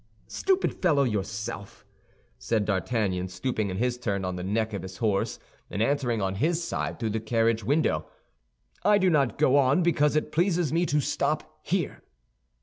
"Stupid fellow yourself!" said D'Artagnan, stooping in his turn on the neck of his horse, and answering on his side through the carriage window. "I do not go on because it pleases me to stop here."